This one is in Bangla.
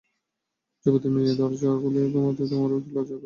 যুবতী মেয়ে হয়ে দরজা খুলে ঘুমাতে, তোমারও কি লজ্জা করেনা?